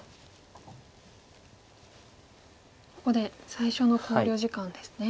ここで最初の考慮時間ですね。